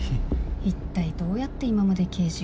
一体どうやって今まで刑事を。